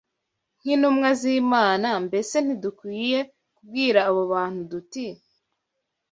Nk’intumwa z’Imana, mbese ntidukwiriye kubwira abo bantu duti